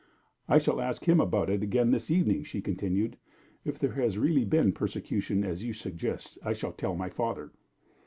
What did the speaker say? "I shall ask him about it again this evening," she continued. "If there has really been persecution, as you suggest, I shall tell my father."